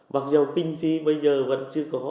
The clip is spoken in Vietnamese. mặc dù kinh phí bây giờ vẫn chưa có